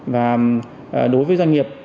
và đối với doanh nghiệp